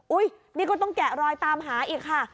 นี่ก็ต้องแกะรอยตามหาอีกค่ะ